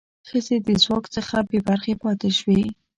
ښځې د ځواک څخه بې برخې پاتې شوې.